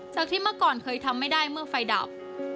จากที่เมื่อก่อนเคยทำไม่ได้เมื่อไฟดับ